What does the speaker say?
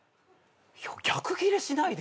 逆ギレしないで。